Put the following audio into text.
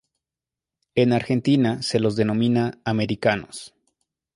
En Argentina se los denomina "americanos".